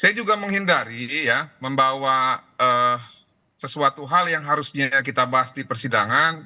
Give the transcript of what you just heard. saya juga menghindari ya membawa sesuatu hal yang harusnya kita bahas di persidangan